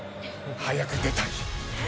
早く出たい。